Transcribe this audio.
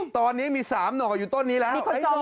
ตอนนี้มี๓หน่ออยู่ต้นนี้แล้ว